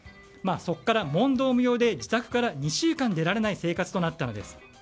そこから問答無用で自宅から２週間出られない生活となったのです。